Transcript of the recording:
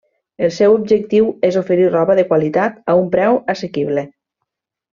El seu objectiu és oferir roba de qualitat a un preu assequible.